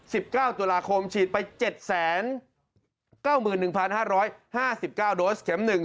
สิบเก้าตุลาคมฉีดไปเจ็ดแสนเก้าหมื่นหนึ่งพันห้าร้อยห้าสิบเก้าโดสเข็มหนึ่ง